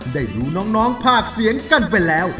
ได้รู้น้องพากล์เสียงกันไปแล้ว